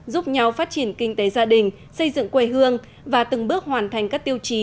giúp nhau phát triển kinh tế gia đình xây dựng quê hương và từng bước hoàn thành các tiêu chí